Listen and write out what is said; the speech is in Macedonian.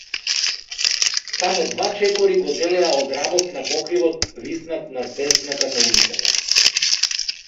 Само два чекори го делеа од работ на покривот виснат над бездната на улицата.